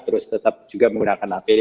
terus tetap juga menggunakan apd